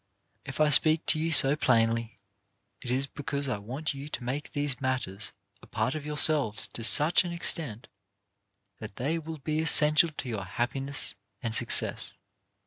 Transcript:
If I speak to you so plainly, it is because I want you to make these matters a part of yourselves to such an ex tent that they will be essential to your happiness and success.